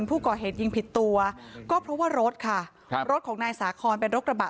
ผู้ก่อเหตุยิงผิดตัวก็เพราะว่ารถค่ะครับรถของนายสาคอนเป็นรถกระบะ